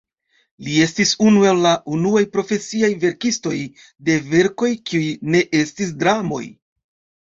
Li estis unu el la unuaj profesiaj verkistoj de verkoj kiuj ne estis dramoj.